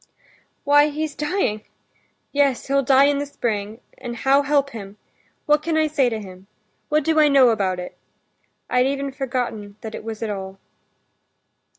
"Why, he's dying—yes, he'll die in the spring, and how help him? What can I say to him? What do I know about it? I'd even forgotten that it was at all."